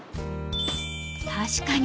［確かに］